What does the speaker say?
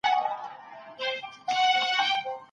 نوښت د ژوند لپاره اړین دی.